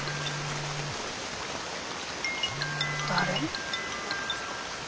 誰？